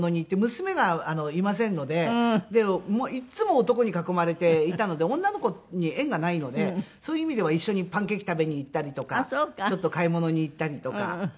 娘がいませんのでいつも男に囲まれていたので女の子に縁がないのでそういう意味では一緒にパンケーキ食べに行ったりとかちょっと買い物に行ったりとか。